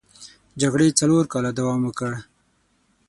جګړې څلور کاله دوام وکړ.